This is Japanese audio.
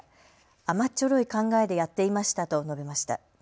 甘っちょろい考えでやっていましたと述べました。